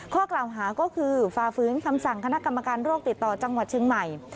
ข้อกล่าวหาก็คือฝ่าฟื้นคำสั่งคณะกรรมการโรคติดต่อจังหวัดเชียงใหม่